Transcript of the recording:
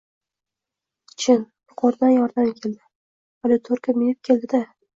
Chin, yuqoridan yordam keldi. Polutorka minib kel-di.